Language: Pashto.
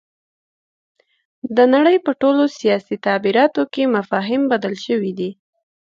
د نړۍ په ټولو سیاسي تعبیراتو کې مفاهیم بدل شوي دي.